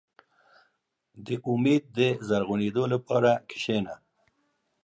• د امید د زرغونېدو لپاره کښېنه.